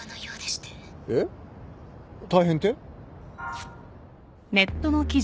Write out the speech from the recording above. えっ？大変って？